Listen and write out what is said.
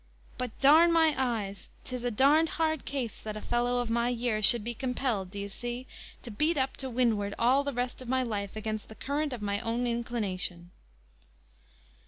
But d my eyes! 'tis a d d hard case that a fellow of my years should be compelled, d'ye see, to beat up to windward all the rest of my life against the current of my own inclination."